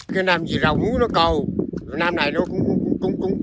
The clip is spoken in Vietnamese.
khi làm gì rau muối nó cầu năm này nó cũng